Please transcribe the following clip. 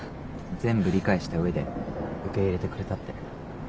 全部理解した上で受け入れてくれたって。